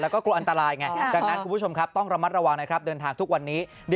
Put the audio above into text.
แล้วก็กลัวอันตรายไงดังนั้นคุณผู้ชมครับต้องระมัดระวังนะครับเดินทางทุกวันนี้